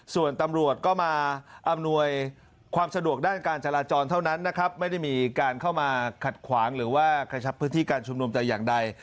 ส่วนตำรวจก็มาอำนวยความสะดวกด้านการจราจรเท่านั้นนะครับไม่ได้มีการเข้ามาขัดขวางหรือว่ากระชับพื้นที่การชุมนุมแต่อย่างใด